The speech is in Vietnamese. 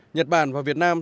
nhật bản và việt nam